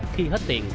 khi hết tiền